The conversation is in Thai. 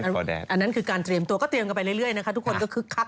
ทุกคนก็เพิ่มกันต้องการเตรียมตัวก็เตรียมกันไปเรื่อยนะครับทุกคน